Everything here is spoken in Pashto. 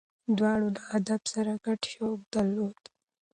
دواړو له ادب سره ګډ شوق درلود.